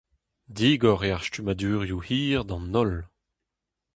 Digor eo ar stummadurioù hir d'an holl.